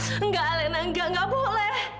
enggak alena enggak enggak boleh